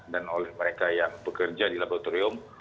dan oleh mereka yang bekerja di laboratorium